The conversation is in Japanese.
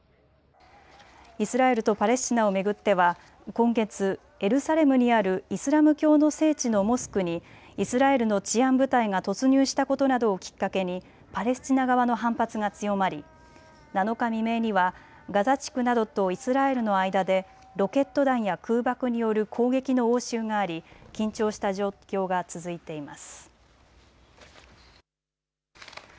イスラエルとパレスチナを巡っては今月エルサレムにあるイスラム教の聖地のモスクにイスラエルの治安部隊が突入したことなどをきっかけにパレスチナ側の反発が強まり７日未明にはガザ地区などとイスラエルの間でロケット弾や空爆による攻撃の応酬があり緊張した状況が続いています。